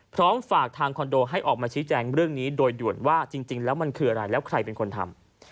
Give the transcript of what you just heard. พร้อมฝากทางคอนโดให้ออกมาชี้แจงเรื่องนี้โดยด่วนว่าจริงแล้วมันคืออะไรแล้วใครเป็นคนทำ